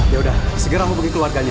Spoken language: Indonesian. yaudah segera aku punggi keluarganya